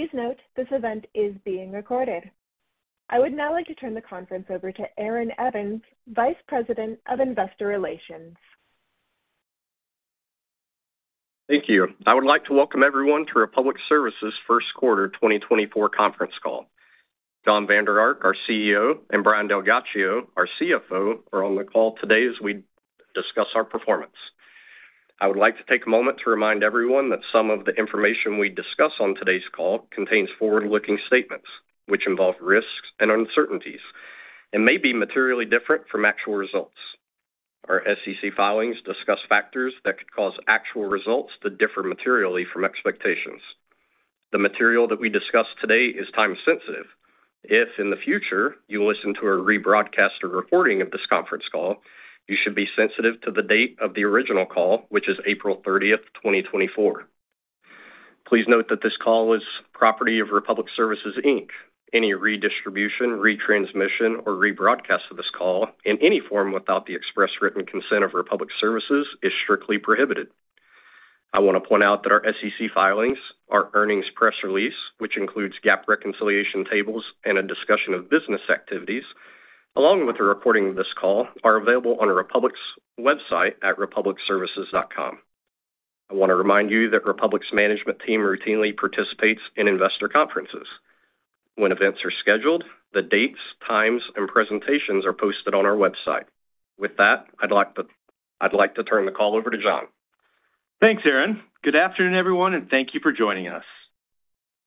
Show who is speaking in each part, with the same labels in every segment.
Speaker 1: Please note, this event is being recorded. I would now like to turn the conference over to Aaron Evans, Vice President of Investor Relations.
Speaker 2: Thank you. I would like to welcome everyone to Republic Services first quarter 2024 conference call. John Vander Ark, our CEO, and Brian DelGhiaccio, our CFO, are on the call today as we discuss our performance. I would like to take a moment to remind everyone that some of the information we discuss on today's call contains forward-looking statements, which involve risks and uncertainties and may be materially different from actual results. Our SEC filings discuss factors that could cause actual results to differ materially from expectations. The material that we discuss today is time-sensitive. If, in the future, you listen to a rebroadcast or recording of this conference call, you should be sensitive to the date of the original call, which is April 30, 2024. Please note that this call is property of Republic Services, Inc. Any redistribution, retransmission, or rebroadcast of this call in any form without the express written consent of Republic Services is strictly prohibited. I want to point out that our SEC filings, our earnings press release, which includes GAAP reconciliation tables and a discussion of business activities, along with the recording of this call, are available on Republic's website at republicservices.com. I want to remind you that Republic's management team routinely participates in investor conferences. When events are scheduled, the dates, times, and presentations are posted on our website. With that, I'd like to, I'd like to turn the call over to John.
Speaker 3: Thanks, Aaron. Good afternoon, everyone, and thank you for joining us.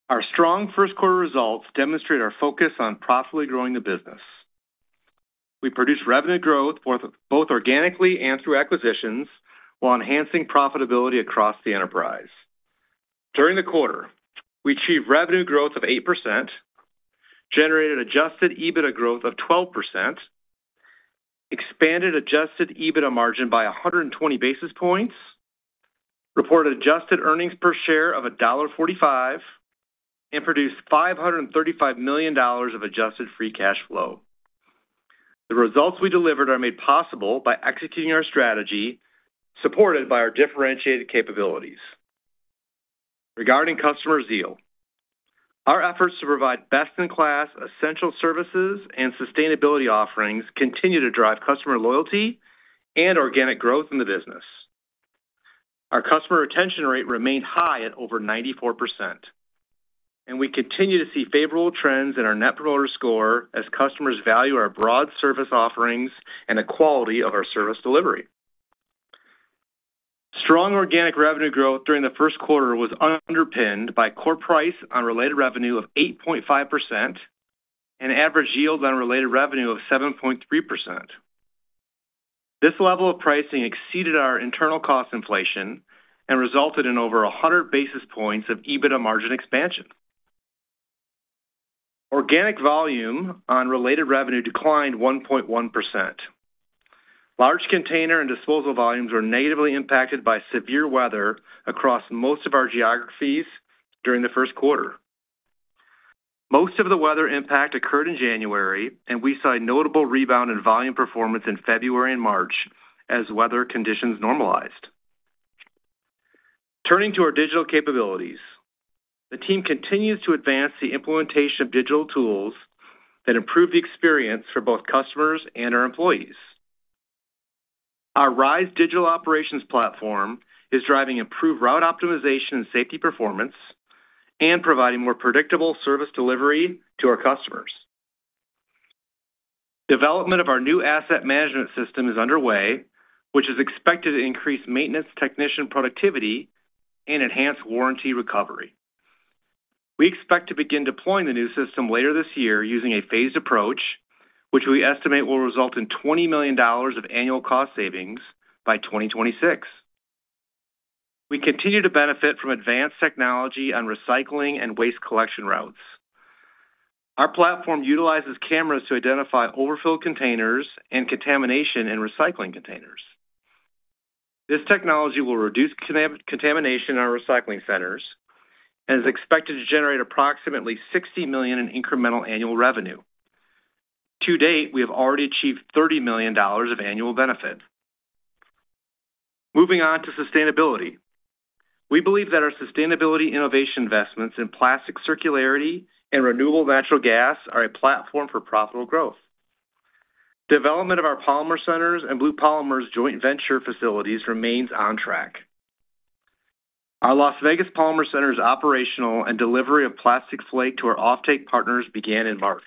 Speaker 3: Our strong first quarter results demonstrate our focus on profitably growing the business. We produced revenue growth both organically and through acquisitions, while enhancing profitability across the enterprise. During the quarter, we achieved revenue growth of 8%, generated adjusted EBITDA growth of 12%, expanded adjusted EBITDA margin by 120 basis points, reported adjusted earnings per share of $1.45, and produced $535 million of adjusted free cash flow. The results we delivered are made possible by executing our strategy, supported by our differentiated capabilities. Regarding customer zeal, our efforts to provide best-in-class essential services and sustainability offerings continue to drive customer loyalty and organic growth in the business. Our customer retention rate remained high at over 94%, and we continue to see favorable trends in our Net Promoter Score as customers value our broad service offerings and the quality of our service delivery. Strong organic revenue growth during the first quarter was underpinned by core price on related revenue of 8.5% and average yields on related revenue of 7.3%. This level of pricing exceeded our internal cost inflation and resulted in over 100 basis points of EBITDA margin expansion. Organic volume on related revenue declined 1.1%. Large container and disposal volumes were negatively impacted by severe weather across most of our geographies during the first quarter. Most of the weather impact occurred in January, and we saw a notable rebound in volume performance in February and March as weather conditions normalized. Turning to our digital capabilities, the team continues to advance the implementation of digital tools that improve the experience for both customers and our employees. Our RISE digital operations platform is driving improved route optimization and safety performance and providing more predictable service delivery to our customers. Development of our new asset management system is underway, which is expected to increase maintenance technician productivity and enhance warranty recovery. We expect to begin deploying the new system later this year using a phased approach, which we estimate will result in $20 million of annual cost savings by 2026. We continue to benefit from advanced technology on recycling and waste collection routes. Our platform utilizes cameras to identify overfilled containers and contamination in recycling containers. This technology will reduce contamination in our recycling centers and is expected to generate approximately $60 million in incremental annual revenue. To date, we have already achieved $30 million of annual benefit. Moving on to sustainability. We believe that our sustainability innovation investments in plastic circularity and renewable natural gas are a platform for profitable growth. Development of our polymer centers and Blue Polymers joint venture facilities remains on track. Our Las Vegas Polymer Center is operational and delivery of plastic flake to our offtake partners began in March.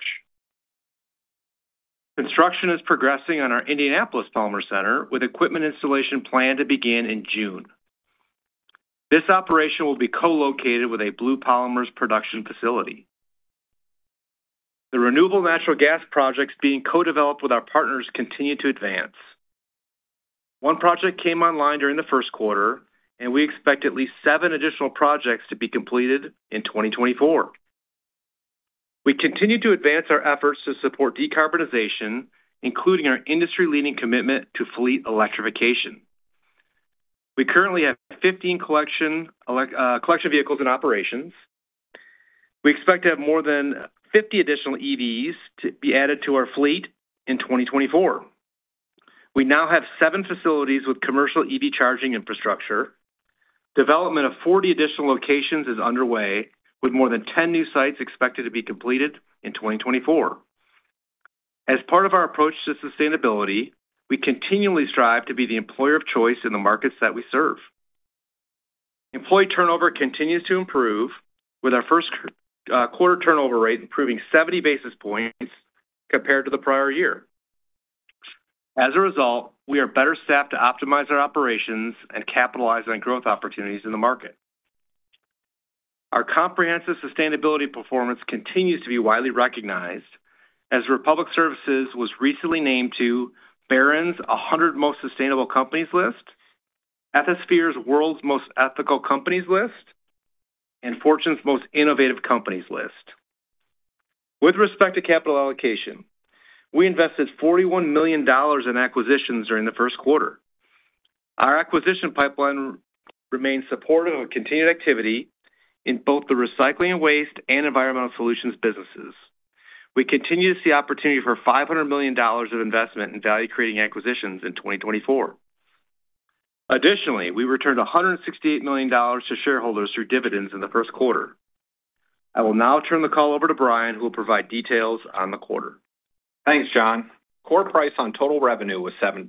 Speaker 3: Construction is progressing on our Indianapolis Polymer Center, with equipment installation planned to begin in June. This operation will be co-located with a Blue Polymers production facility. The renewable natural gas projects being co-developed with our partners continue to advance. One project came online during the first quarter, and we expect at least seven additional projects to be completed in 2024. We continue to advance our efforts to support decarbonization, including our industry-leading commitment to fleet electrification. We currently have 15 collection vehicles in operations. We expect to have more than 50 additional EVs to be added to our fleet in 2024. We now have 7 facilities with commercial EV charging infrastructure. Development of 40 additional locations is underway, with more than 10 new sites expected to be completed in 2024. As part of our approach to sustainability, we continually strive to be the employer of choice in the markets that we serve. Employee turnover continues to improve, with our first quarter turnover rate improving 70 basis points compared to the prior year. As a result, we are better staffed to optimize our operations and capitalize on growth opportunities in the market. Our comprehensive sustainability performance continues to be widely recognized, as Republic Services was recently named to Barron's 100 Most Sustainable Companies list, Ethisphere's World's Most Ethical Companies list, and Fortune's Most Innovative Companies list. With respect to capital allocation, we invested $41 million in acquisitions during the first quarter. Our acquisition pipeline remains supportive of continued activity in both the recycling and waste and environmental solutions businesses. We continue to see opportunity for $500 million of investment in value-creating acquisitions in 2024. Additionally, we returned $168 million to shareholders through dividends in the first quarter. I will now turn the call over to Brian, who will provide details on the quarter.
Speaker 4: Thanks, John. Core price on total revenue was 7%.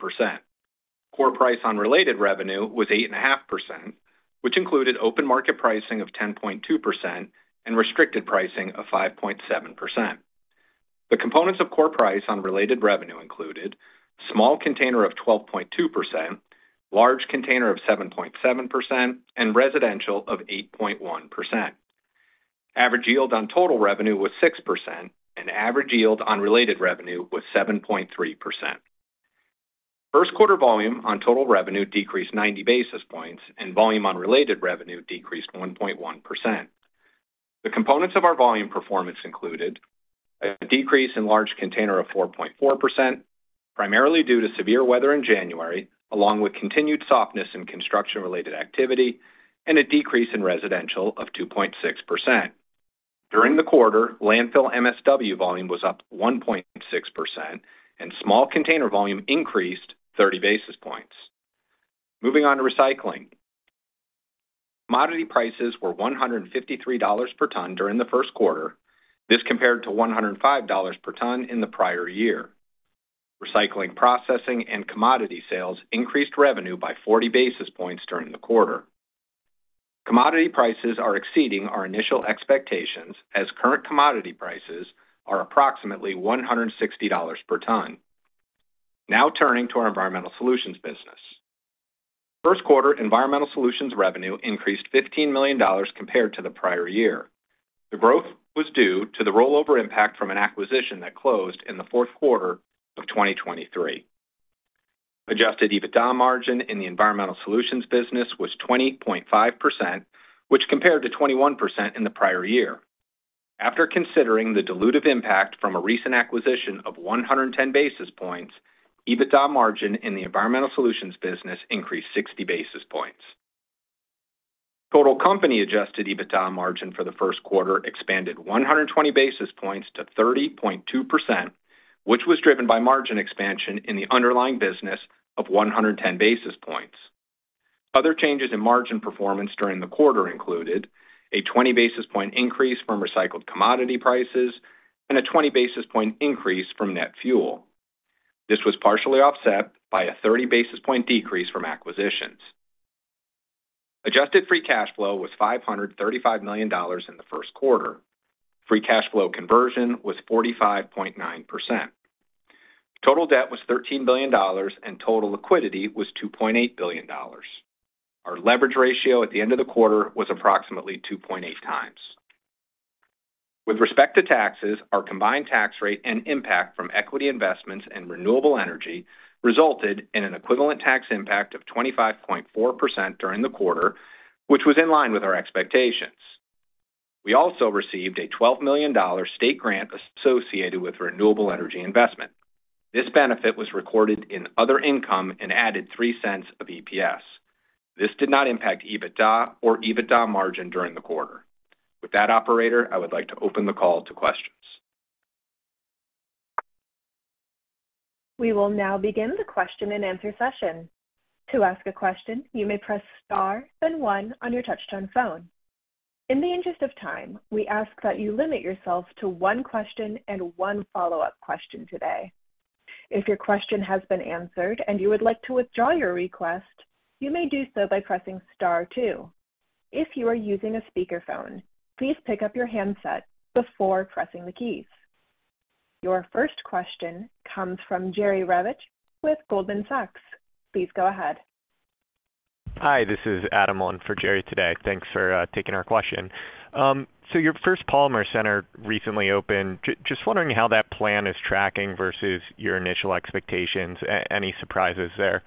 Speaker 4: Core price on related revenue was 8.5%, which included open market pricing of 10.2% and restricted pricing of 5.7%. The components of core price on related revenue included: small container of 12.2%, large container of 7.7%, and residential of 8.1%. Average yield on total revenue was 6%, and average yield on related revenue was 7.3%. First quarter volume on total revenue decreased 90 basis points, and volume on related revenue decreased 1.1%. The components of our volume performance included: a decrease in large container of 4.4%, primarily due to severe weather in January, along with continued softness in construction-related activity, and a decrease in residential of 2.6%. During the quarter, landfill MSW volume was up 1.6%, and small container volume increased 30 basis points. Moving on to recycling. Commodity prices were $153 per ton during the first quarter. This compared to $105 per ton in the prior year. Recycling, processing, and commodity sales increased revenue by 40 basis points during the quarter. Commodity prices are exceeding our initial expectations, as current commodity prices are approximately $160 per ton. Now, turning to our environmental solutions business. First quarter environmental solutions revenue increased $15 million compared to the prior year. The growth was due to the rollover impact from an acquisition that closed in the fourth quarter of 2023. Adjusted EBITDA margin in the environmental solutions business was 20.5%, which compared to 21% in the prior year. After considering the dilutive impact from a recent acquisition of 110 basis points, EBITDA margin in the environmental solutions business increased 60 basis points. Total company adjusted EBITDA margin for the first quarter expanded 120 basis points to 30.2%, which was driven by margin expansion in the underlying business of 110 basis points. Other changes in margin performance during the quarter included: a 20 basis point increase from recycled commodity prices and a 20 basis point increase from net fuel. This was partially offset by a 30 basis point decrease from acquisitions. Adjusted free cash flow was $535 million in the first quarter. Free cash flow conversion was 45.9%. Total debt was $13 billion, and total liquidity was $2.8 billion. Our leverage ratio at the end of the quarter was approximately 2.8 times. With respect to taxes, our combined tax rate and impact from equity investments in renewable energy resulted in an equivalent tax impact of 25.4% during the quarter, which was in line with our expectations. We also received a $12 million state grant associated with renewable energy investment. This benefit was recorded in other income and added $0.03 of EPS. This did not impact EBITDA or EBITDA margin during the quarter. With that, operator, I would like to open the call to questions.
Speaker 1: We will now begin the question-and-answer session. To ask a question, you may press star, then one on your touchtone phone. In the interest of time, we ask that you limit yourself to one question and one follow-up question today. If your question has been answered and you would like to withdraw your request, you may do so by pressing star two. If you are using a speakerphone, please pick up your handset before pressing the keys. Your first question comes from Jerry Revich with Goldman Sachs. Please go ahead.
Speaker 5: Hi, this is Adam on for Jerry today. Thanks for taking our question. So your first Polymer Center recently opened. Just wondering how that plan is tracking versus your initial expectations. Any surprises there?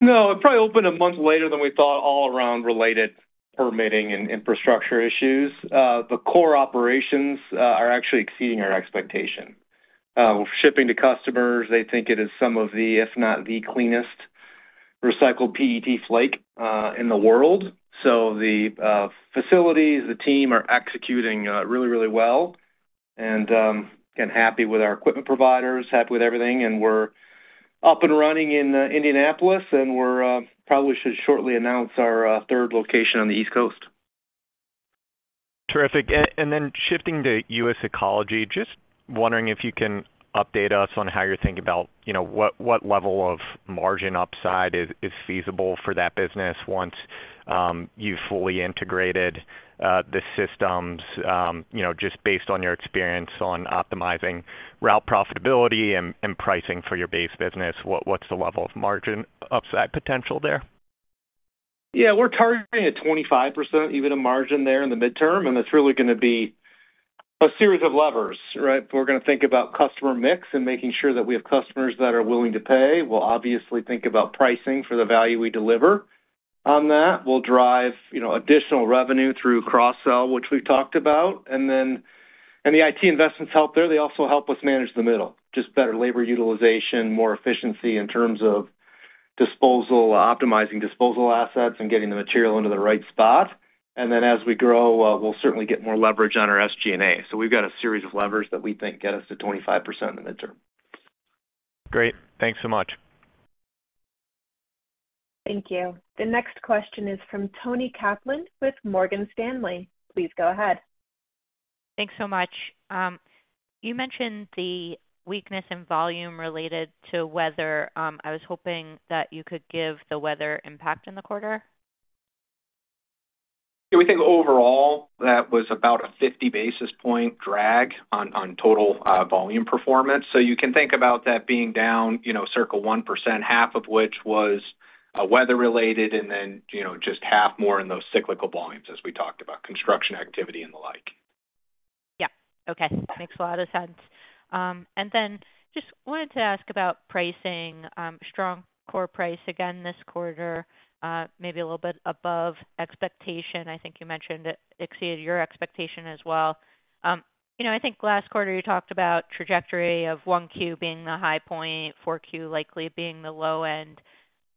Speaker 3: No, it probably opened a month later than we thought, all around related permitting and infrastructure issues. The core operations are actually exceeding our expectation. Shipping to customers, they think it is some of the, if not the cleanest recycled PET flake in the world. So the facilities, the team are executing really, really well, and and happy with our equipment providers, happy with everything, and we're up and running in Indianapolis, and we're probably should shortly announce our third location on the East Coast.
Speaker 5: Terrific. And then shifting to U.S Ecology, just wondering if you can update us on how you're thinking about, you know, what, what level of margin upside is, is feasible for that business once you've fully integrated the systems, you know, just based on your experience on optimizing route profitability and, and pricing for your base business, what, what's the level of margin upside potential there?
Speaker 3: Yeah, we're targeting at 25%, even a margin there in the midterm, and it's really gonna be a series of levers, right? We're gonna think about customer mix and making sure that we have customers that are willing to pay. We'll obviously think about pricing for the value we deliver on that. We'll drive, you know, additional revenue through cross-sell, which we've talked about. And then, and the IT investments help there. They also help us manage the middle, just better labor utilization, more efficiency in terms of disposal, optimizing disposal assets and getting the material into the right spot. And then as we grow, we'll certainly get more leverage on our SG&A. So we've got a series of levers that we think get us to 25% in the midterm.
Speaker 6: Great. Thanks so much.
Speaker 1: Thank you. The next question is from Toni Kaplan with Morgan Stanley. Please go ahead.
Speaker 7: Thanks so much. You mentioned the weakness in volume related to weather. I was hoping that you could give the weather impact in the quarter.
Speaker 3: Yeah, we think overall, that was about a 50 basis point drag on total volume performance. So you can think about that being down, you know, circa 1%, half of which was weather-related, and then, you know, just half more in those cyclical volumes, as we talked about, construction activity and the like.
Speaker 7: Yeah. Okay. That makes a lot of sense. And then just wanted to ask about pricing. Strong core price again this quarter, maybe a little bit above expectation. I think you mentioned it exceeded your expectation as well. You know, I think last quarter, you talked about trajectory of 1Q being the high point, 4Q likely being the low end.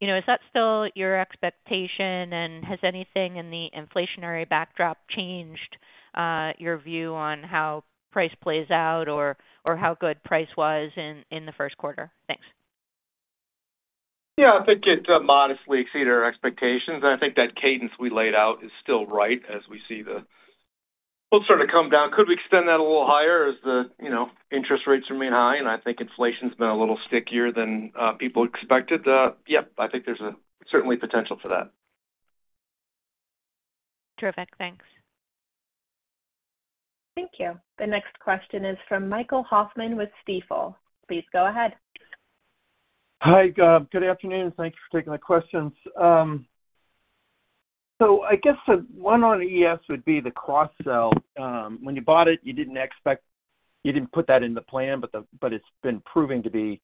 Speaker 7: You know, is that still your expectation, and has anything in the inflationary backdrop changed your view on how price plays out or how good price was in the first quarter? Thanks.
Speaker 3: Yeah, I think it modestly exceeded our expectations, and I think that cadence we laid out is still right as we see the, we'll sort of come down. Could we extend that a little higher as the, you know, interest rates remain high, and I think inflation's been a little stickier than people expected? Yep, I think there's a certainly potential for that.
Speaker 7: Terrific. Thanks.
Speaker 1: Thank you. The next question is from Michael Hoffman with Stifel. Please go ahead.
Speaker 8: Hi. Good afternoon. Thank you for taking my questions. So I guess, one on ES would be the cross-sell. When you bought it, you didn't expect- you didn't put that in the plan, but it's been proving to be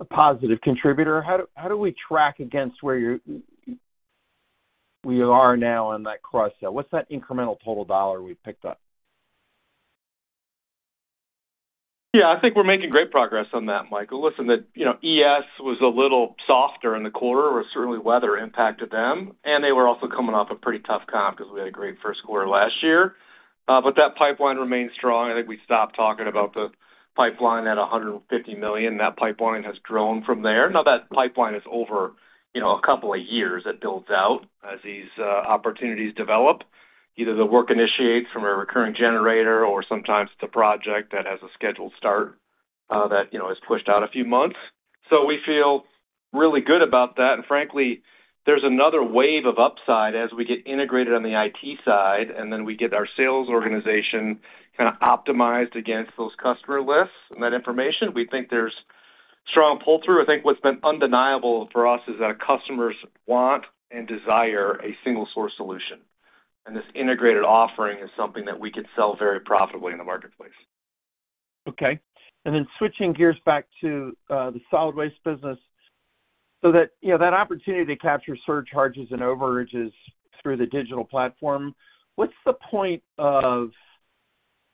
Speaker 8: a positive contributor. How do we track against where we are now on that cross-sell? What's that incremental total dollar we've picked up?
Speaker 3: Yeah, I think we're making great progress on that, Michael. Listen, the, you know, ES was a little softer in the quarter, or certainly weather impacted them, and they were also coming off a pretty tough comp because we had a great first quarter last year. But that pipeline remains strong. I think we stopped talking about the pipeline at $150 million, that pipeline has grown from there. Now, that pipeline is over, you know, a couple of years, it builds out as these opportunities develop. Either the work initiates from a recurring generator, or sometimes it's a project that has a scheduled start, that, you know, is pushed out a few months. So we feel really good about that. Frankly, there's another wave of upside as we get integrated on the IT side, and then we get our sales organization kind of optimized against those customer lists and that information. We think there's strong pull-through. I think what's been undeniable for us is that our customers want and desire a single-source solution, and this integrated offering is something that we could sell very profitably in the marketplace.
Speaker 8: Okay. And then switching gears back to the solid waste business. So that, you know, that opportunity to capture surcharges and overages through the digital platform, what's the point of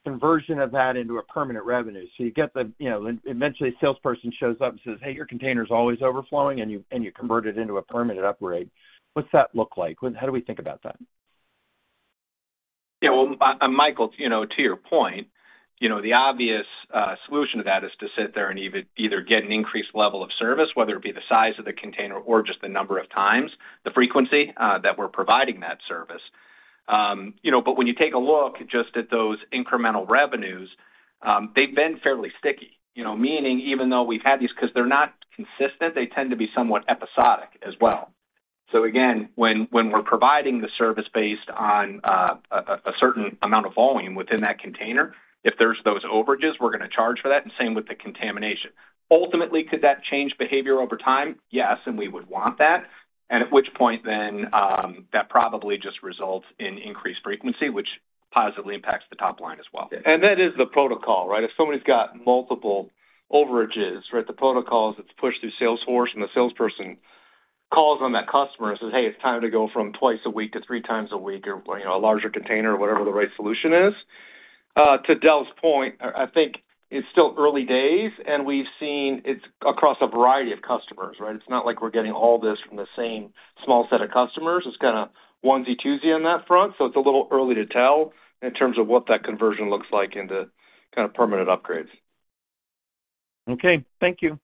Speaker 8: conversion of that into a permanent revenue? So you get the, you know, eventually, a salesperson shows up and says, "Hey, your container is always overflowing," and you convert it into a permanent upgrade. What's that look like? How do we think about that?
Speaker 3: Yeah, well, Michael, you know, to your point, you know, the obvious solution to that is to sit there and either get an increased level of service, whether it be the size of the container or just the number of times, the frequency that we're providing that service. You know, but when you take a look just at those incremental revenues, they've been fairly sticky. You know, meaning even though we've had these-- 'cause they're not consistent, they tend to be somewhat episodic as well. So again, when we're providing the service based on a certain amount of volume within that container, if there's those overages, we're gonna charge for that, and same with the contamination. Ultimately, could that change behavior over time? Yes, and we would want that, and at which point then, that probably just results in increased frequency, which positively impacts the top line as well. And that is the protocol, right? If somebody's got multiple overages, right, the protocol is it's pushed through Salesforce, and the salesperson calls on that customer and says, "Hey, it's time to go from twice a week to three times a week," or, you know, a larger container or whatever the right solution is... to Del's point, I, I think it's still early days, and we've seen it's across a variety of customers, right? It's not like we're getting all this from the same small set of customers. It's kind of onesie, twosie on that front, so it's a little early to tell in terms of what that conversion looks like into kind of permanent upgrades.
Speaker 8: Okay, thank you.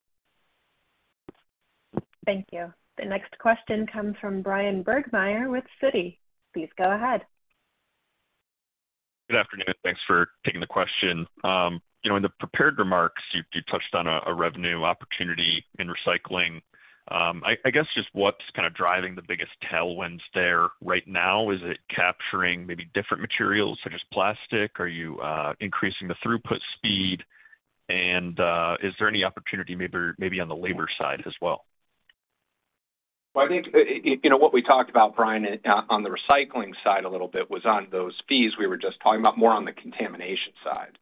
Speaker 1: Thank you. The next question comes from Bryan Burgmeier with Citi. Please go ahead.
Speaker 9: Good afternoon, thanks for taking the question. You know, in the prepared remarks, you touched on a revenue opportunity in recycling. I guess just what's kind of driving the biggest tailwinds there right now? Is it capturing maybe different materials, such as plastic? Are you increasing the throughput speed? And is there any opportunity maybe on the labor side as well?
Speaker 3: Well, I think, you know, what we talked about, Brian, on the recycling side a little bit, was on those fees we were just talking about more on the contamination side.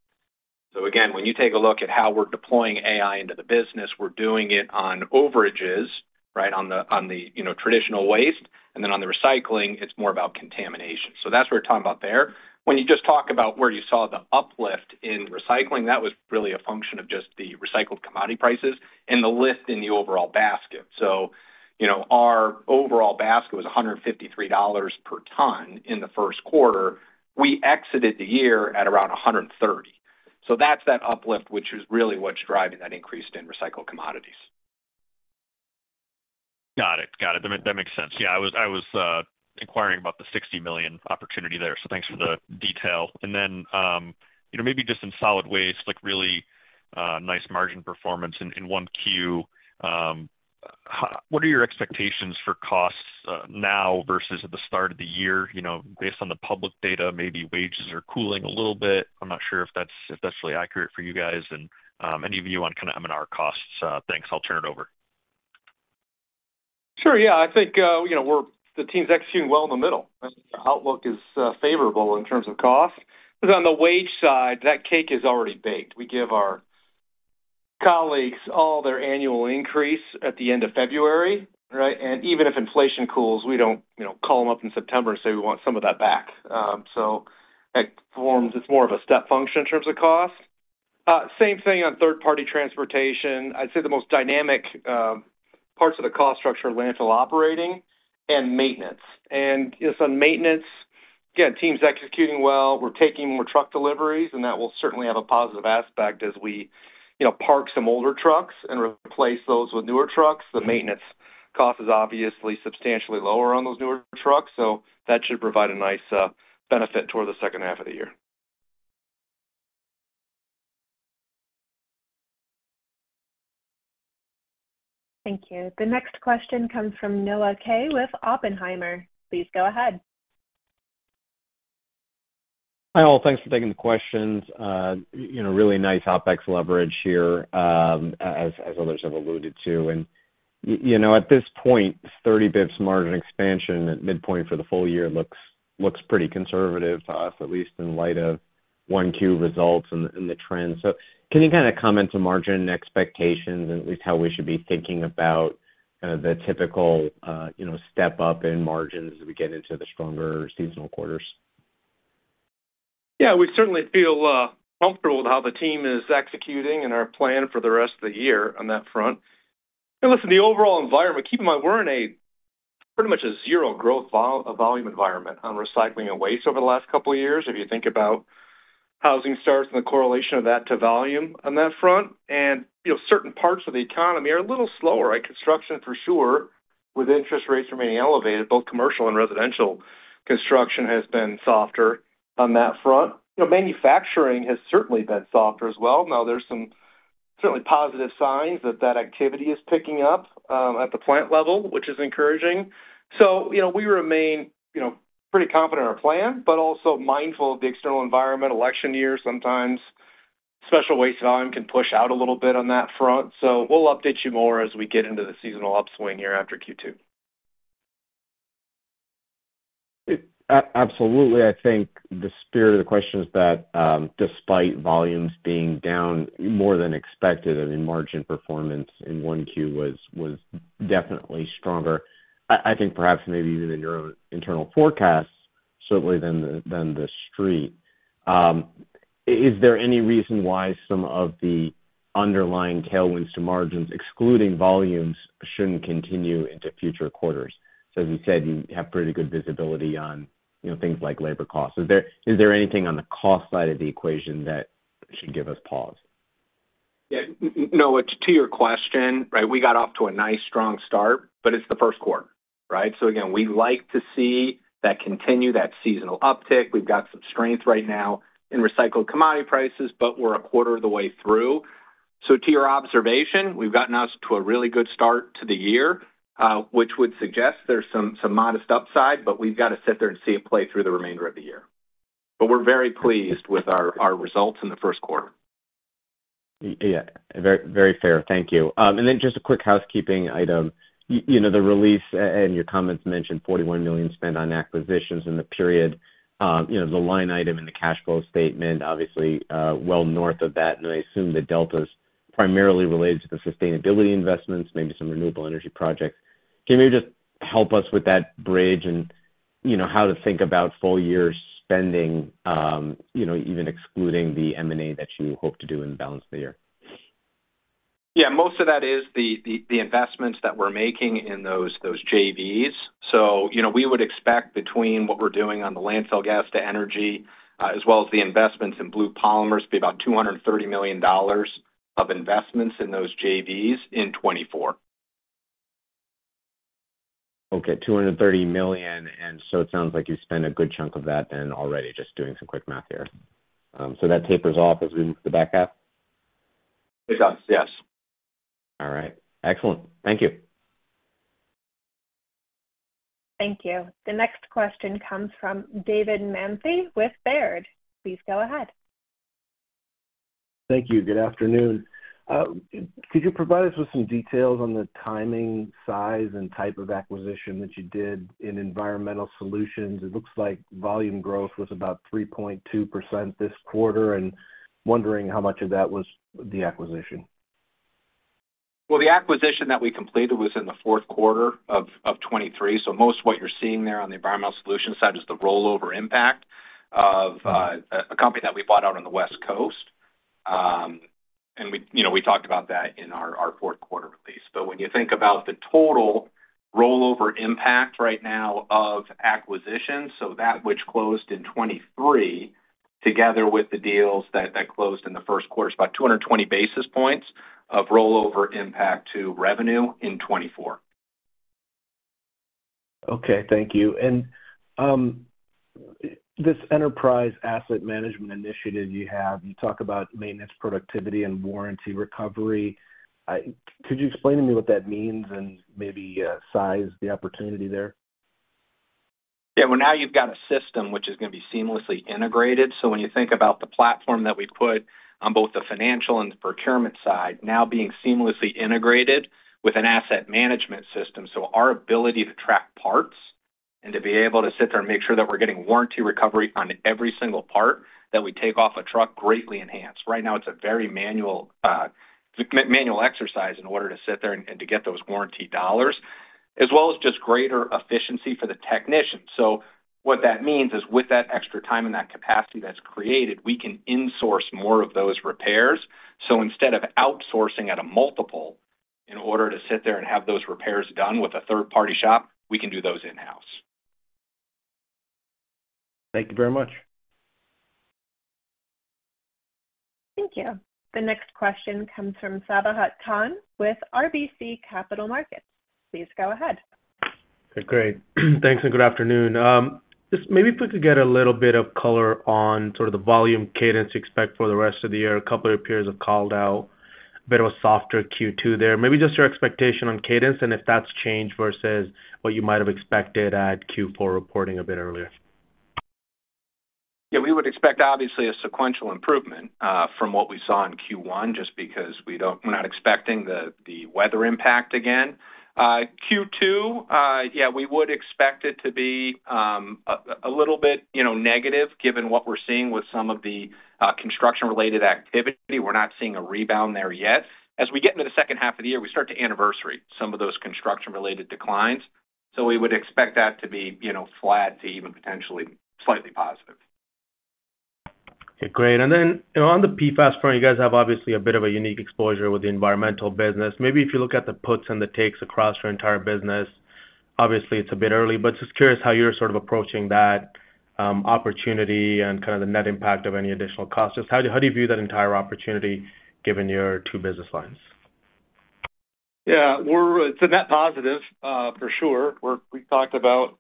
Speaker 3: So again, when you take a look at how we're deploying AI into the business, we're doing it on overages, right? On the you know, traditional waste, and then on the recycling, it's more about contamination. So that's what we're talking about there. When you just talk about where you saw the uplift in recycling, that was really a function of just the recycled commodity prices and the lift in the overall basket. So, you know, our overall basket was $153 per ton in the first quarter. We exited the year at around $130. That's that uplift, which is really what's driving that increase in recycled commodities.
Speaker 9: Got it. Got it. That, that makes sense. Yeah, I was inquiring about the $60 million opportunity there, so thanks for the detail. And then, you know, maybe just in solid waste, like really nice margin performance in 1Q. What are your expectations for costs now versus at the start of the year? You know, based on the public data, maybe wages are cooling a little bit. I'm not sure if that's really accurate for you guys and any view on kind of M&R costs. Thanks. I'll turn it over.
Speaker 3: Sure, yeah. I think, you know, the team's executing well in the middle. The outlook is favorable in terms of cost. Because on the wage side, that cake is already baked. We give our colleagues all their annual increase at the end of February, right? And even if inflation cools, we don't, you know, call them up in September and say, "We want some of that back." So that forms. It's more of a step function in terms of cost. Same thing on third-party transportation. I'd say the most dynamic parts of the cost structure are landfill operating and maintenance. And just on maintenance, again, team's executing well. We're taking more truck deliveries, and that will certainly have a positive aspect as we, you know, park some older trucks and replace those with newer trucks. The maintenance cost is obviously substantially lower on those newer trucks, so that should provide a nice benefit toward the second half of the year.
Speaker 1: Thank you. The next question comes from Noah Kaye with Oppenheimer. Please go ahead.
Speaker 10: Hi, all. Thanks for taking the questions. You know, really nice OpEx leverage here, as others have alluded to. And you know, at this point, 30 basis points margin expansion at midpoint for the full year looks pretty conservative to us, at least in light of 1Q results and the trends. So can you kind of comment on margin expectations and at least how we should be thinking about the typical step-up in margins as we get into the stronger seasonal quarters?
Speaker 3: Yeah, we certainly feel comfortable with how the team is executing and our plan for the rest of the year on that front. And listen, the overall environment, keep in mind, we're in a pretty much a zero-growth volume environment on recycling and waste over the last couple of years, if you think about housing starts and the correlation of that to volume on that front. And, you know, certain parts of the economy are a little slower, like construction for sure, with interest rates remaining elevated, both commercial and residential. Construction has been softer on that front. You know, manufacturing has certainly been softer as well. Now, there's some certainly positive signs that that activity is picking up at the plant level, which is encouraging. So, you know, we remain, you know, pretty confident in our plan, but also mindful of the external environment. Election year, sometimes special waste volume can push out a little bit on that front. So we'll update you more as we get into the seasonal upswing here after Q2.
Speaker 10: Absolutely. I think the spirit of the question is that, despite volumes being down more than expected, I mean, margin performance in 1Q was definitely stronger. I think perhaps maybe even in your own internal forecasts, certainly than the Street. Is there any reason why some of the underlying tailwinds to margins, excluding volumes, shouldn't continue into future quarters? So as you said, you have pretty good visibility on, you know, things like labor costs. Is there anything on the cost side of the equation that should give us pause?
Speaker 3: Yeah. Noah, to your question, right, we got off to a nice, strong start, but it's the first quarter, right? So again, we like to see that continue, that seasonal uptick. We've got some strength right now in recycled commodity prices, but we're a quarter of the way through. So to your observation, we've gotten us to a really good start to the year, which would suggest there's some, some modest upside, but we've got to sit there and see it play through the remainder of the year. But we're very pleased with our, our results in the first quarter.
Speaker 10: Yeah, very, very fair. Thank you. And then just a quick housekeeping item. You know, the release and your comments mentioned $41 million spent on acquisitions in the period. You know, the line item in the cash flow statement, obviously, well north of that, and I assume the delta's primarily related to the sustainability investments, maybe some renewable energy projects. Can you maybe just help us with that bridge and, you know, how to think about full year spending, you know, even excluding the M&A that you hope to do in the balance of the year.
Speaker 3: Yeah, most of that is the investments that we're making in those JVs. So, you know, we would expect between what we're doing on the landfill gas to energy, as well as the investments in Blue Polymers, be about $230 million of investments in those JVs in 2024.
Speaker 10: Okay, $230 million, and so it sounds like you spent a good chunk of that then already, just doing some quick math here. So that tapers off as we move to the back half?
Speaker 3: It does, yes.
Speaker 10: All right. Excellent. Thank you.
Speaker 1: Thank you. The next question comes from David Manthey with Baird. Please go ahead.
Speaker 11: Thank you. Good afternoon. Could you provide us with some details on the timing, size, and type of acquisition that you did in environmental solutions? It looks like volume growth was about 3.2% this quarter, and wondering how much of that was the acquisition.
Speaker 3: Well, the acquisition that we completed was in the fourth quarter of 2023, so most of what you're seeing there on the environmental solutions side is the rollover impact of a company that we bought out on the West Coast. And we, you know, we talked about that in our fourth quarter release. But when you think about the total rollover impact right now of acquisitions, so that which closed in 2023, together with the deals that closed in the first quarter, it's about 220 basis points of rollover impact to revenue in 2024.
Speaker 11: Okay, thank you. This enterprise asset management initiative you have, you talk about maintenance, productivity, and warranty recovery. Could you explain to me what that means and maybe size the opportunity there?
Speaker 3: Yeah, well, now you've got a system which is gonna be seamlessly integrated. So when you think about the platform that we've put on both the financial and the procurement side, now being seamlessly integrated with an asset management system, so our ability to track parts and to be able to sit there and make sure that we're getting warranty recovery on every single part that we take off a truck greatly enhanced. Right now, it's a very manual exercise in order to sit there and to get those warranty dollars, as well as just greater efficiency for the technician. So what that means is, with that extra time and that capacity that's created, we can insource more of those repairs. Instead of outsourcing at a multiple in order to sit there and have those repairs done with a third-party shop, we can do those in-house.
Speaker 11: Thank you very much.
Speaker 1: Thank you. The next question comes from Sabahat Khan with RBC Capital Markets. Please go ahead.
Speaker 12: Great. Thanks, and good afternoon. Just maybe if we could get a little bit of color on sort of the volume cadence you expect for the rest of the year? A couple of peers have called out a bit of a softer Q2 there. Maybe just your expectation on cadence, and if that's changed versus what you might have expected at Q4 reporting a bit earlier?
Speaker 3: Yeah, we would expect, obviously, a sequential improvement from what we saw in Q1, just because we're not expecting the weather impact again. Q2, yeah, we would expect it to be a little bit, you know, negative, given what we're seeing with some of the construction-related activity. We're not seeing a rebound there yet. As we get into the second half of the year, we start to anniversary some of those construction-related declines. So we would expect that to be, you know, flat to even potentially slightly positive.
Speaker 12: Okay, great. And then on the PFAS front, you guys have obviously a bit of a unique exposure with the environmental business. Maybe if you look at the puts and the takes across your entire business, obviously it's a bit early, but just curious how you're sort of approaching that, opportunity and kind of the net impact of any additional costs. Just how do you, how do you view that entire opportunity given your two business lines?
Speaker 3: Yeah, we're—it's a net positive, for sure. We talked about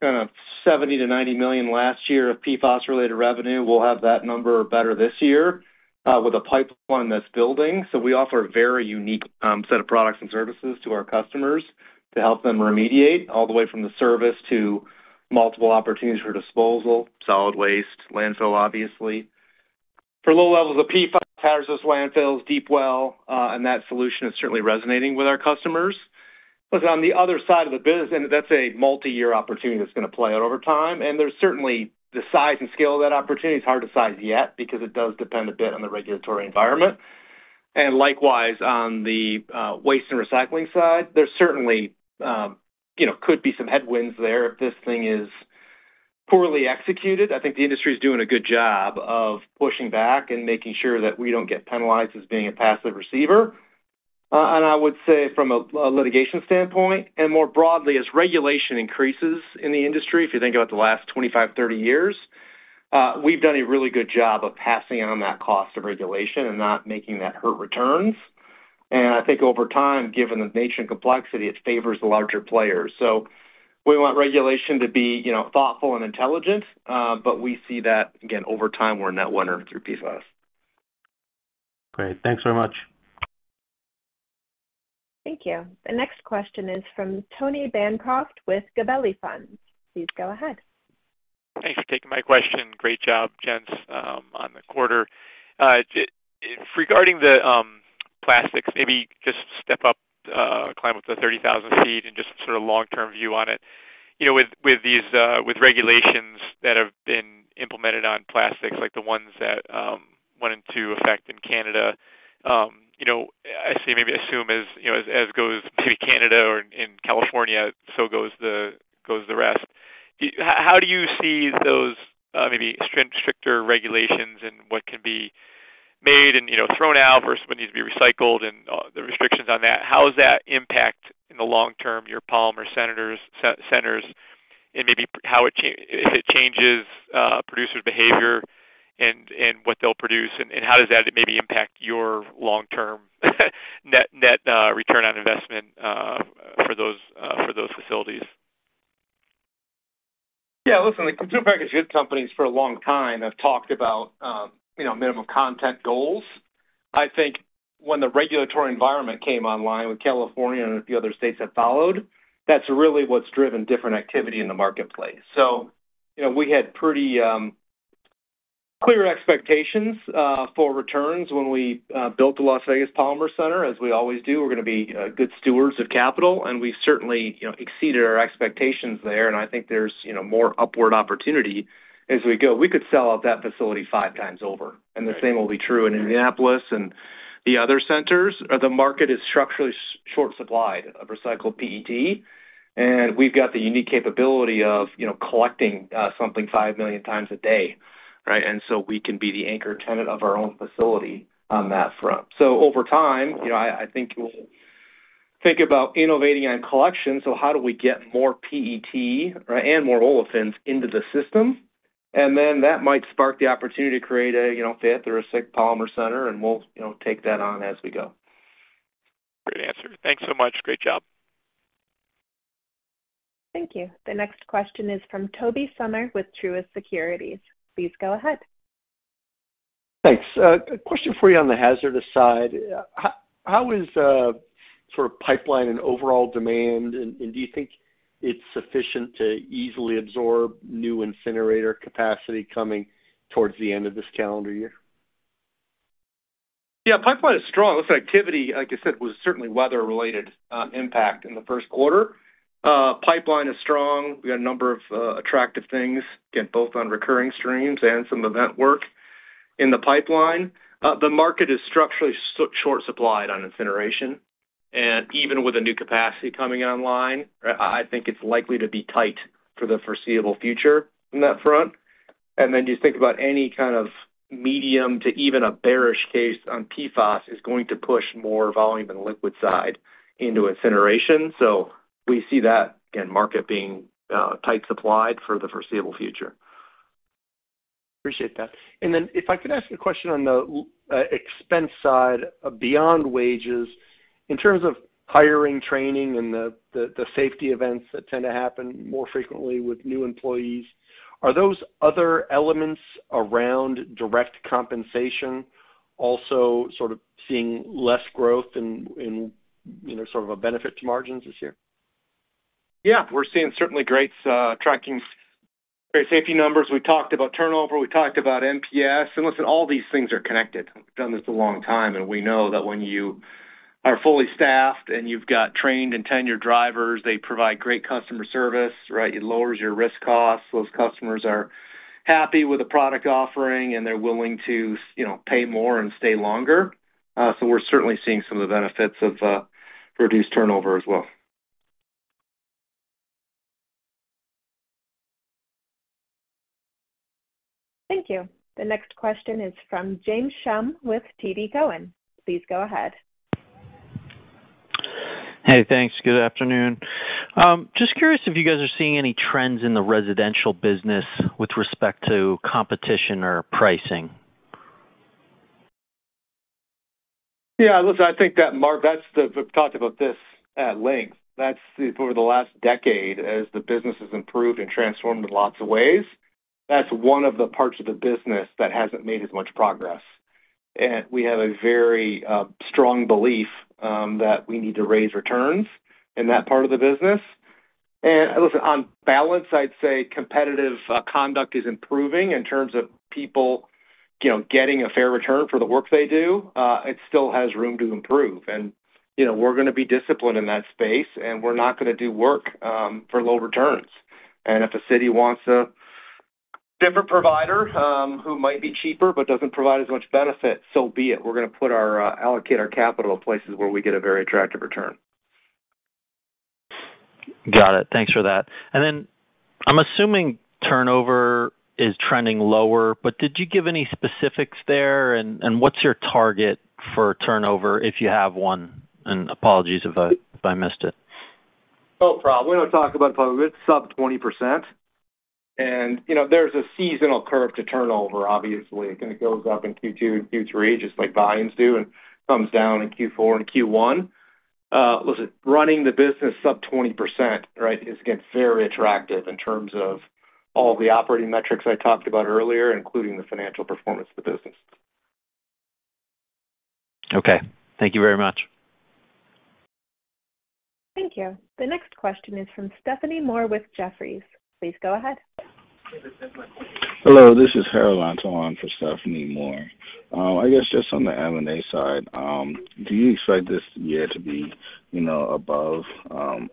Speaker 3: kind of $70 million-$90 million last year of PFAS-related revenue. We'll have that number better this year, with a pipeline that's building. So we offer a very unique set of products and services to our customers to help them remediate all the way from the service to multiple opportunities for disposal, solid waste, landfill, obviously. For low levels of PFAS, landfills, deep well, and that solution is certainly resonating with our customers. But on the other side of the business, and that's a multi-year opportunity that's gonna play out over time, and there's certainly the size and scale of that opportunity is hard to size yet because it does depend a bit on the regulatory environment. Likewise, on the waste and recycling side, there's certainly you know, could be some headwinds there if this thing is poorly executed. I think the industry is doing a good job of pushing back and making sure that we don't get penalized as being a passive receiver. And I would say from a litigation standpoint, and more broadly, as regulation increases in the industry, if you think about the last 25, 30 years, we've done a really good job of passing on that cost of regulation and not making that hurt returns. And I think over time, given the nature and complexity, it favors the larger players. So we want regulation to be you know, thoughtful and intelligent, but we see that, again, over time, we're a net winner through PFAS.
Speaker 12: Great. Thanks very much.
Speaker 1: Thank you. The next question is from Tony Bancroft with Gabelli Funds. Please go ahead.
Speaker 10: Thanks for taking my question. Great job, gents, on the quarter. Regarding the plastics, maybe just step up, climb up to 30,000 feet and just sort of long-term view on it....
Speaker 13: you know, with these regulations that have been implemented on plastics, like the ones that went into effect in Canada, you know, I say maybe assume as, you know, as goes maybe Canada or in California, so goes the rest. How do you see those stricter regulations and what can be made and, you know, thrown out versus what needs to be recycled and the restrictions on that? How does that impact in the long term your Polymer Centers, and maybe how it changes producers' behavior and what they'll produce, and how does that maybe impact your long-term net return on investment for those facilities?
Speaker 3: Yeah, listen, the consumer packaged goods companies for a long time have talked about, you know, minimum content goals. I think when the regulatory environment came online with California and a few other states have followed, that's really what's driven different activity in the marketplace. So, you know, we had pretty, clear expectations, for returns when we, built the Las Vegas Polymer Center. As we always do, we're gonna be, good stewards of capital, and we certainly, you know, exceeded our expectations there, and I think there's, you know, more upward opportunity as we go. We could sell out that facility 5 times over, and the same will be true in Indianapolis and the other centers. The market is structurally short supplied of recycled PET, and we've got the unique capability of, you know, collecting, something 5 million times a day, right? And so we can be the anchor tenant of our own facility on that front. So over time, you know, I think we'll think about innovating on collection. So how do we get more PET, right, and more olefins into the system? And then that might spark the opportunity to create a, you know, fifth or a sixth Polymer Center, and we'll, you know, take that on as we go.
Speaker 13: Great answer. Thanks so much. Great job.
Speaker 1: Thank you. The next question is from Tobey Sommer with Truist Securities. Please go ahead.
Speaker 14: Thanks. A question for you on the hazardous side. How is sort of pipeline and overall demand, and do you think it's sufficient to easily absorb new incinerator capacity coming towards the end of this calendar year?
Speaker 3: Yeah, pipeline is strong. This activity, like I said, was certainly weather-related impact in the first quarter. Pipeline is strong. We had a number of attractive things, again, both on recurring streams and some event work in the pipeline. The market is structurally short supplied on incineration, and even with the new capacity coming online, I think it's likely to be tight for the foreseeable future on that front. And then you think about any kind of medium to even a bearish case on PFAS is going to push more volume on the liquid side into incineration. So we see that, again, market being tight supplied for the foreseeable future.
Speaker 14: Appreciate that. And then if I could ask a question on the expense side, beyond wages, in terms of hiring, training, and the safety events that tend to happen more frequently with new employees, are those other elements around direct compensation also sort of seeing less growth and, you know, sort of a benefit to margins this year?
Speaker 3: Yeah. We're seeing certainly great tracking, great safety numbers. We talked about turnover, we talked about NPS, and listen, all these things are connected. We've done this a long time, and we know that when you are fully staffed and you've got trained and tenured drivers, they provide great customer service, right? It lowers your risk costs. Those customers are happy with the product offering, and they're willing to, you know, pay more and stay longer. So we're certainly seeing some of the benefits of reduced turnover as well.
Speaker 1: Thank you. The next question is from James Schumm with TD Cowen. Please go ahead.
Speaker 13: Hey, thanks. Good afternoon. Just curious if you guys are seeing any trends in the residential business with respect to competition or pricing?
Speaker 3: Yeah, listen, I think that's the... We've talked about this at length. That's over the last decade, as the business has improved and transformed in lots of ways, that's one of the parts of the business that hasn't made as much progress. And we have a very strong belief that we need to raise returns in that part of the business. And listen, on balance, I'd say competitive conduct is improving in terms of people, you know, getting a fair return for the work they do. It still has room to improve, and, you know, we're gonna be disciplined in that space, and we're not gonna do work for low returns. And if a city wants a different provider who might be cheaper but doesn't provide as much benefit, so be it. We're gonna allocate our capital places where we get a very attractive return.
Speaker 13: Got it. Thanks for that. Then I'm assuming turnover is trending lower, but did you give any specifics there, and what's your target for turnover, if you have one? Apologies if I missed it.
Speaker 3: No problem. We don't talk about turnover. It's sub 20%, and, you know, there's a seasonal curve to turnover, obviously, and it goes up in Q2 and Q3, just like volumes do, and comes down in Q4 and Q1. Listen, running the business sub 20%, right, is again, very attractive in terms of all the operating metrics I talked about earlier, including the financial performance of the business.
Speaker 13: Okay. Thank you very much.
Speaker 1: Thank you. The next question is from Stephanie Moore with Jefferies. Please go ahead.
Speaker 15: Hello, this is Harold Antor for Stephanie Moore. I guess just on the M&A side, do you expect this year to be, you know, above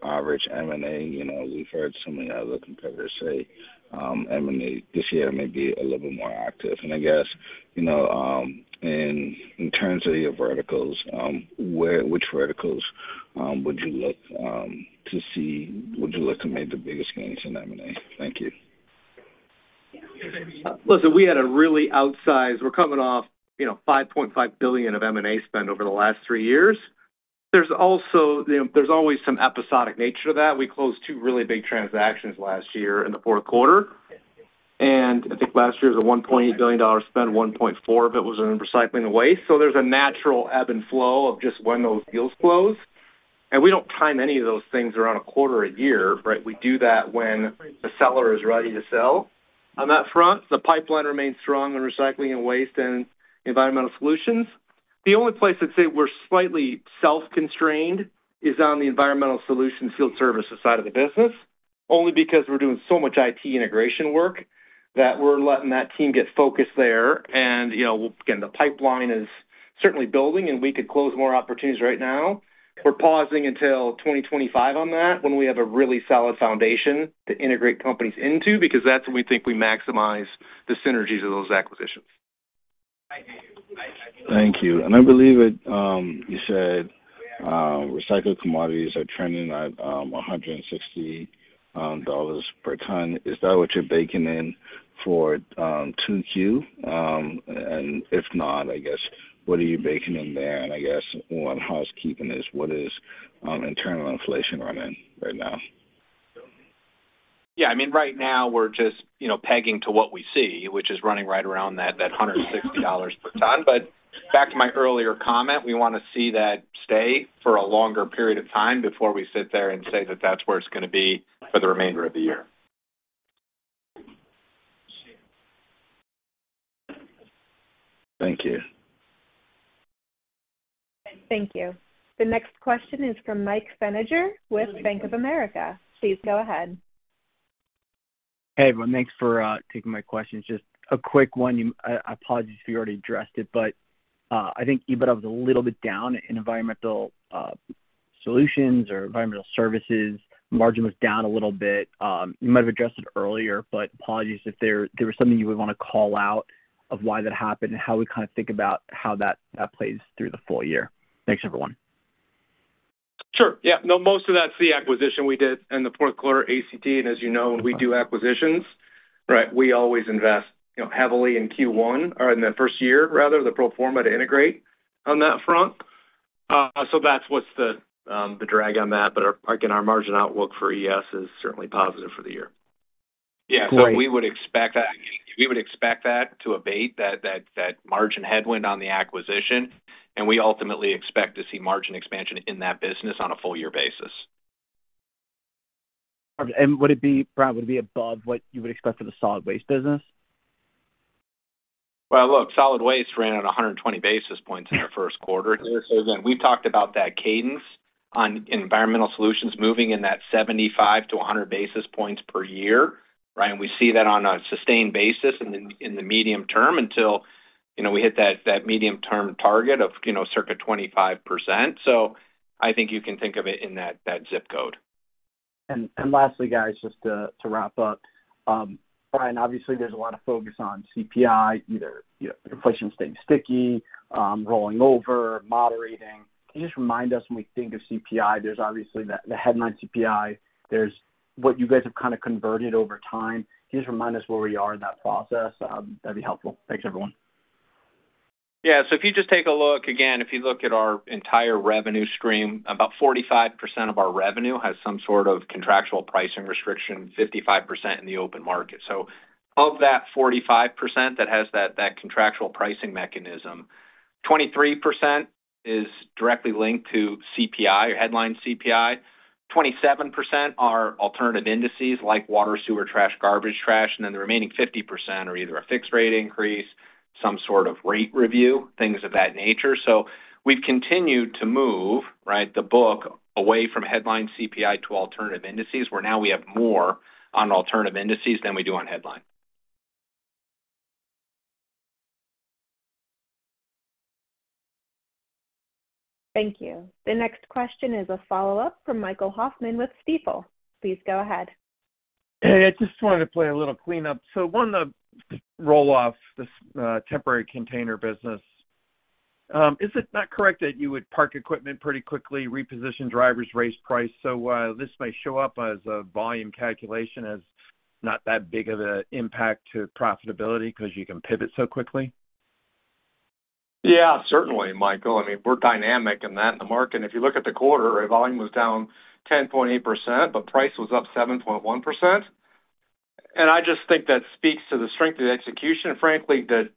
Speaker 15: average M&A? You know, we've heard so many other competitors say, M&A this year may be a little bit more active. And I guess, you know, and in terms of your verticals, which verticals would you look to see... Would you look to make the biggest gains in M&A? Thank you.
Speaker 3: Listen, we had a really outsized - we're coming off, you know, $5.5 billion of M&A spend over the last three years. There's also, you know, there's always some episodic nature to that. We closed two really big transactions last year in the fourth quarter, and I think last year's a $1.8 billion spend, $1.4 billion of it was in recycling and waste. So there's a natural ebb and flow of just when those deals close, and we don't time any of those things around a quarter or a year, right? We do that when the seller is ready to sell. On that front, the pipeline remains strong in recycling and waste and environmental solutions. The only place I'd say we're slightly self-constrained is on the environmental solutions field services side of the business, only because we're doing so much IT integration work, that we're letting that team get focused there. You know, again, the pipeline is certainly building, and we could close more opportunities right now. We're pausing until 2025 on that, when we have a really solid foundation to integrate companies into, because that's when we think we maximize the synergies of those acquisitions.
Speaker 15: Thank you. And I believe that you said recycled commodities are trending at $160 per ton. Is that what you're baking in for 2Q? And if not, I guess, what are you baking in there? And I guess one housekeeping is, what is internal inflation running right now?
Speaker 3: Yeah, I mean, right now we're just, you know, pegging to what we see, which is running right around that, that $160 per ton. But back to my earlier comment, we want to see that stay for a longer period of time before we sit there and say that that's where it's gonna be for the remainder of the year.
Speaker 15: Thank you.
Speaker 1: Thank you. The next question is from Mike Feniger with Bank of America. Please go ahead.
Speaker 16: Hey, everyone. Thanks for taking my questions. Just a quick one. Apologies if you already addressed it, but I think EBITDA was a little bit down in environmental solutions or environmental services. Margin was down a little bit. You might have addressed it earlier, but apologies if there was something you would want to call out of why that happened and how we kind of think about how that plays through the full year. Thanks, everyone.
Speaker 3: Sure, yeah. No, most of that's the acquisition we did in the fourth quarter, ACT, and as you know, when we do acquisitions, right, we always invest, you know, heavily in Q1 or in the first year, rather, the pro forma, to integrate on that front. So that's what's the drag on that. But again, our margin outlook for ES is certainly positive for the year.
Speaker 4: Yeah, so we would expect that to abate, that margin headwind on the acquisition, and we ultimately expect to see margin expansion in that business on a full year basis.
Speaker 16: Would it be, Brad, would it be above what you would expect for the solid waste business?
Speaker 3: Well, look, solid waste ran at 120 basis points in our first quarter this year. So again, we've talked about that cadence on environmental solutions moving in that 75-100 basis points per year, right? We see that on a sustained basis in the medium term until, you know, we hit that medium-term target of, you know, circa 25%. So I think you can think of it in that zip code.
Speaker 16: And lastly, guys, just to wrap up. Brian, obviously there's a lot of focus on CPI, either you know inflation staying sticky, rolling over, moderating. Can you just remind us when we think of CPI, there's obviously the headline CPI, there's what you guys have kind of converted over time. Can you just remind us where we are in that process? That'd be helpful. Thanks, everyone.
Speaker 4: Yeah, so if you just take a look, again, if you look at our entire revenue stream, about 45% of our revenue has some sort of contractual pricing restriction, 55% in the open market. So of that 45% that has that, that contractual pricing mechanism, 23% is directly linked to CPI, or headline CPI. 27% are alternative indices, like water, sewer, trash, garbage trash, and then the remaining 50% are either a fixed rate increase, some sort of rate review, things of that nature. So we've continued to move, right, the book away from headline CPI to alternative indices, where now we have more on alternative indices than we do on headline.
Speaker 1: Thank you. The next question is a follow-up from Michael Hoffman with Stifel. Please go ahead.
Speaker 8: Hey, I just wanted to play a little cleanup. So one, the roll-off this temporary container business. Is it not correct that you would park equipment pretty quickly, reposition drivers, raise price, so this may show up as a volume calculation as not that big of an impact to profitability because you can pivot so quickly?
Speaker 3: Yeah, certainly, Michael. I mean, we're dynamic in that in the market. If you look at the quarter, volume was down 10.8%, but price was up 7.1%. And I just think that speaks to the strength of the execution and frankly, the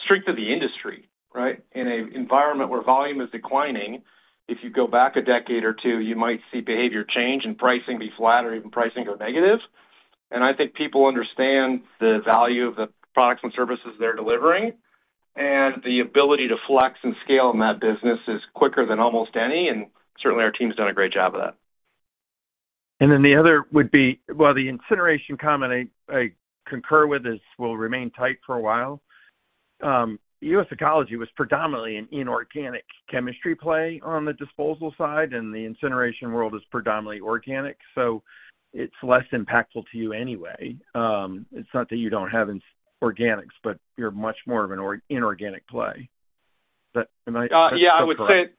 Speaker 3: strength of the industry, right? In an environment where volume is declining, if you go back a decade or two, you might see behavior change and pricing be flat or even pricing go negative. And I think people understand the value of the products and services they're delivering... and the ability to flex and scale in that business is quicker than almost any, and certainly our team's done a great job of that.
Speaker 8: And then the other would be, well, the incineration comment I, I concur with, is will remain tight for a while. U.S. Ecology was predominantly an inorganic chemistry play on the disposal side, and the incineration world is predominantly organic, so it's less impactful to you anyway. It's not that you don't have inorganics, but you're much more of an inorganic play. But am I-
Speaker 3: Yeah, I would say,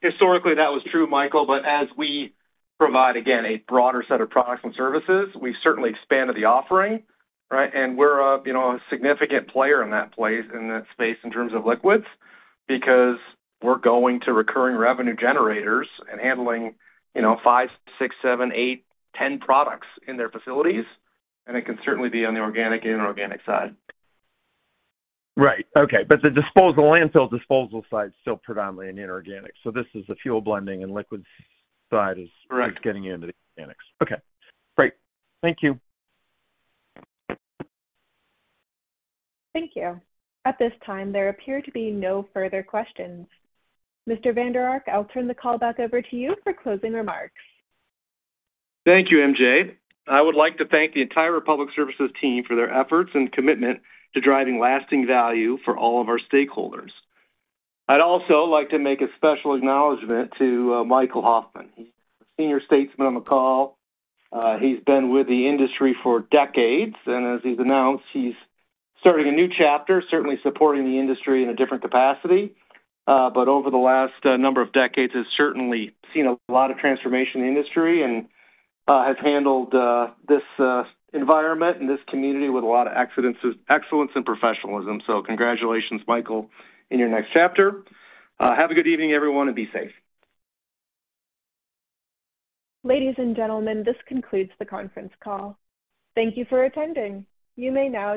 Speaker 3: historically, that was true, Michael, but as we provide, again, a broader set of products and services, we've certainly expanded the offering, right? We're a, you know, a significant player in that place, in that space in terms of liquids, because we're going to recurring revenue generators and handling, you know, five, six, seven, eight, ten products in their facilities, and it can certainly be on the organic and inorganic side.
Speaker 8: Right. Okay, but the disposal, landfill disposal side is still predominantly an inorganic. So this is the fuel blending and liquids side is-
Speaker 3: Right.
Speaker 8: Getting into the organics. Okay, great. Thank you.
Speaker 1: Thank you. At this time, there appear to be no further questions. Mr. Vander Ark, I'll turn the call back over to you for closing remarks.
Speaker 3: Thank you, MJ. I would like to thank the entire Republic Services team for their efforts and commitment to driving lasting value for all of our stakeholders. I'd also like to make a special acknowledgment to Michael Hoffman, senior statesman on the call. He's been with the industry for decades, and as he's announced, he's starting a new chapter, certainly supporting the industry in a different capacity. But over the last number of decades, has certainly seen a lot of transformation in the industry and has handled this environment and this community with a lot of excellence and professionalism. So congratulations, Michael, in your next chapter. Have a good evening, everyone, and be safe.
Speaker 1: Ladies and gentlemen, this concludes the conference call. Thank you for attending. You may now disconnect.